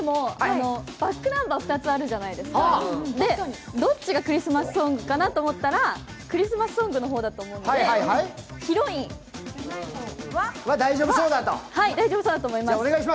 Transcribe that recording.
ｂａｃｋｎｕｍｂｅｒ２つあるじゃないですか、どっちがクリスマスソングかなと思ったら「クリスマスソング」だと思うので、「ヒロイン」は大丈夫そうだと思います。